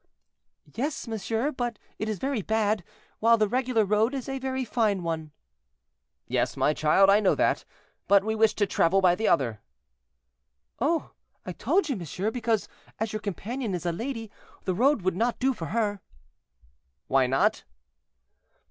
"Yes, monsieur, but it is very bad, while the regular road is a very fine one." "Yes, my child, I know that, but we wish to travel by the other." "Oh! I told you, monsieur, because, as your companion is a lady, the road would not do for her." "Why not?"